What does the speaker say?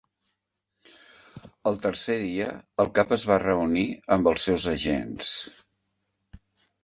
Al tercer dia, el cap es va reunir amb els seus agents.